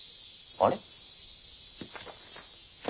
あれ！？